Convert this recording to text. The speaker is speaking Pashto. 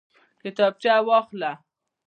کتابچه واخله